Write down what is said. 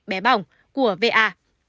bé bỏng của va